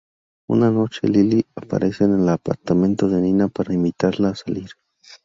Una noche, Lily aparece en el apartamento de Nina para invitarla a salir.